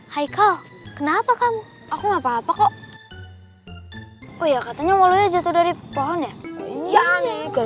hai kau kenapa kamu aku ngapa ngapa kok oh ya katanya walau jatuh dari pohon ya iya nih